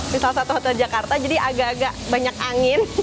di salah satu hotel jakarta jadi agak agak banyak angin